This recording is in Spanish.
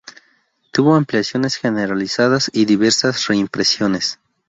Tuvo ampliaciones generalizadas y diversas reimpresiones.